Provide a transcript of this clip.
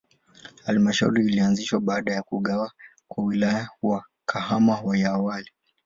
Halmashauri ilianzishwa baada ya kugawa kwa Wilaya ya Kahama ya awali.